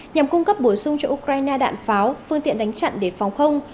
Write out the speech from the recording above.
nhằm cung cấp bổ sung cho ukraine đạn pháo phương tiện đánh chặn để phòng không